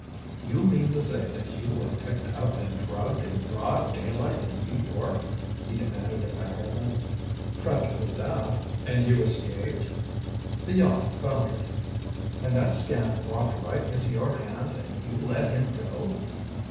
"You mean to say that you were picked up and drugged in broad daylight in New York?" he demanded of Agatha. "Practically that." "And you escaped?" "The yacht foundered." "And that scamp walked right into your hands and you let him go?"